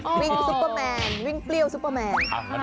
วิ่งซุปเปอร์แมนวิ่งเปรี้ยวซุปเปอร์แมน